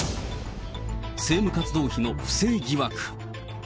政務活動費の不正疑惑。